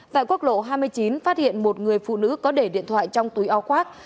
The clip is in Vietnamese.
tại quốc lộ hai mươi chín phát hiện một người phụ nữ có để điện thoại trong túi áo khoác